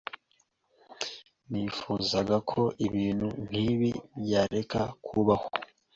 Nifuzaga ko ibintu nkibi byareka kubaho.